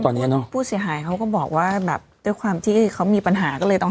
ตอนนี้เนอะผู้เสียหายเขาก็บอกว่าแบบด้วยความที่เขามีปัญหาก็เลยต้อง